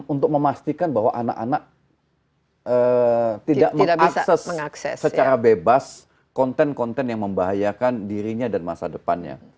untuk memastikan bahwa anak anak tidak mengakses secara bebas konten konten yang membahayakan dirinya dan masa depannya